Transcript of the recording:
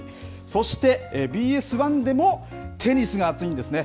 そしてＢＳ１でもテニスが熱いんですね。